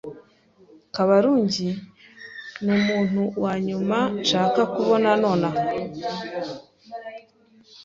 Kabarungi numuntu wanyuma nshaka kubona nonaha.